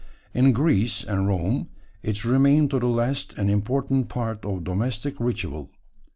In Greece and Rome it remained to the last an important part of domestic ritual.